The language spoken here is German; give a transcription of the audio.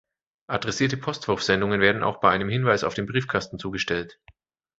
Adressierte Postwurfsendungen werden auch bei einem Hinweis auf dem Briefkasten zugestellt.